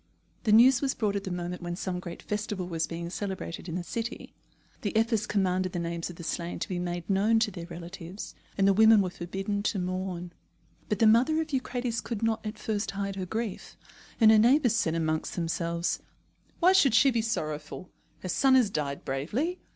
The news was brought at the moment when some great festival was being celebrated in the city. The Ephors commanded the names of the slain to be made known to their relatives, and the women were forbidden to mourn. But the mother of Eucrates could not at first hide her grief, and her neighbours said among themselves: "Why should she be sorrowful? Her son has died bravely.